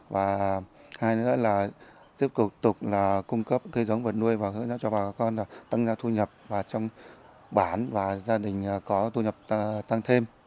và hai nữa là tiếp tục tục là cung cấp cây giống vật nuôi và hướng dẫn cho bà con tăng ra thu nhập vào trong bản và gia đình có thu nhập tăng thêm